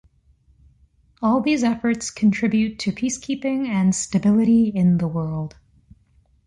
All these efforts contribute to peacekeeping and stability in the world.